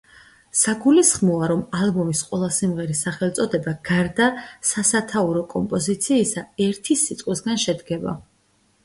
საგულისხმოა, რომ ალბომის ყველა სიმღერის სახელწოდება, გარდა სასათაურო კომპოზიციისა, ერთი სიტყვისგან შედგება.